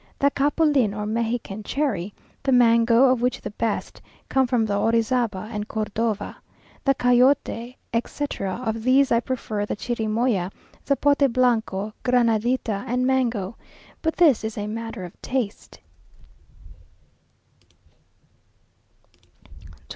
The capulin, or Mexican cherry; the mango, of which the best come from Orizaba and Cordova; the cayote, etc. Of these I prefer the chirimoya, zapote blanco, granadita, and mango; but this is a matter of taste.